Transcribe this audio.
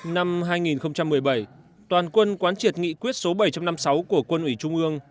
năm hai nghìn một mươi bảy toàn quân quán triệt nghị quyết số bảy trăm năm mươi sáu của quân ủy trung ương